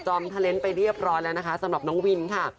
และกลับขึ้นไปเรียบร้อยแล้วสำหรับน้องวินค่ะ